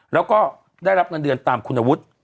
แล้วก็ได้รับเงินเดือนตามคุณวุฒิ